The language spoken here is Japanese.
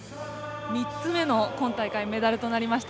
３つ目の今大会メダルとなりました。